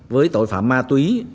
với tội phạm ma túy